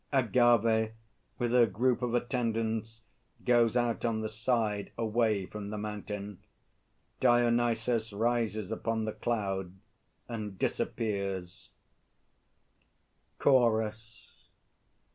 [AGAVE with her group of attendants goes out on the side away from the Mountain. DIONYSUS rises upon the Cloud and disappears. CHORUS.